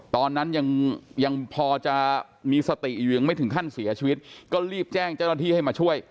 ตอนนั้นยังพอจะมีสติอยู่ยังไม่ถึงขั้นเสียชีวิตก็รีบแจ้งเจ้าหน้าที่ให้มาช่วย